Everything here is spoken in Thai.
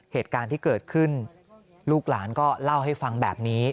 เหตุการณ์ที่เกิดขึ้นลูกหลานก็เล่าให้ฟังแบบนี้